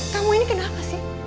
kamu ini kenapa sih